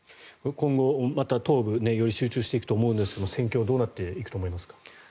今後、また東部より集中していくと思うんですが戦況はどうなっていくと思いますか？